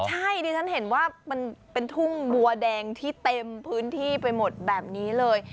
ใช่ดิฉันเห็นว่ามันเป็นทุ่งบัวแดงที่เต็มพื้นที่ไปหมดแบบนี้เลย